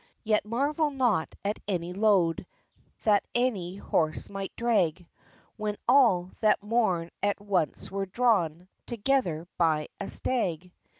Yet marvel not at any load, That any horse might drag, When all, that morn, at once were drawn Together by a stag!